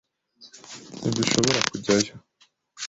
Ntidushobora kujyayo.